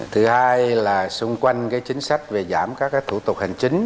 thứ hai là xung quanh chính sách về giảm các thủ tục hành chính